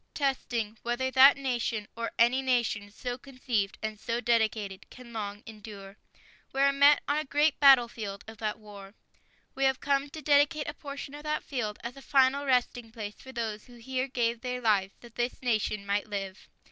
.testing whether that nation, or any nation so conceived and so dedicated. .. can long endure. We are met on a great battlefield of that war. We have come to dedicate a portion of that field as a final resting place for those who here gave their lives that this nation might live.